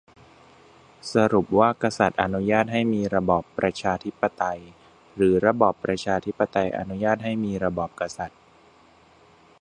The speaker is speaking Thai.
สรุปว่ากษัตริย์อนุญาตให้มีระบอบประชาธิปไตย หรือระบอบประชาธิปไตยอนุญาตให้มีระบอบกษัตริย์ ?